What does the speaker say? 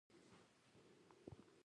یا ایدیالوژیکو بهیرونو مقابلې لپاره کېږي